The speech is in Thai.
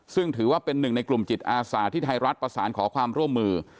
ซึ่งถือว่าเป็นหนึ่งในกลุ่มจิตอาสาที่ไทยรัฐประสานขอความร่วมมือ